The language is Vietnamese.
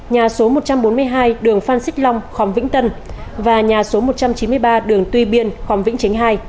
nhà số một trăm bốn mươi hai đường phan xích long khóm vĩnh tân và nhà số một trăm chín mươi ba đường tuy biên khóm vĩnh chính hai